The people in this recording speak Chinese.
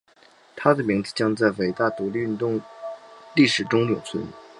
他的名字将在伟大独立运动历史中永存。